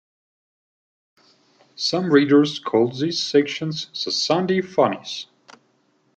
Some readers called these sections the Sunday funnies.